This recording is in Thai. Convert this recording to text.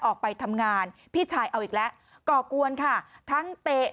ออกไปทำงานพี่ชายเอาอีกแล้วก่อกวนค่ะทั้งเตะ